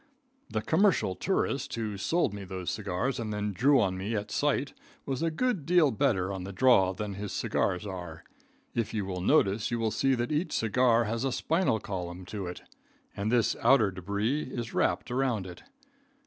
The commercial tourist who sold me those cigars and then drew on me at sight was a good deal better on the draw than his cigars are. If you will notice, you will see that each cigar has a spinal column to it, and this outer debris is wrapped around it.